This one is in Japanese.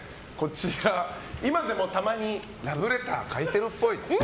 いまでもたまにラブレター書いてるっぽい。